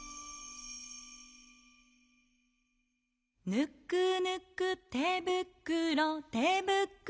「ぬくぬくてぶくろてぶくろもふもふ」